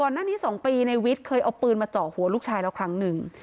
หน้านี้๒ปีในวิทย์เคยเอาปืนมาเจาะหัวลูกชายแล้วครั้งหนึ่ง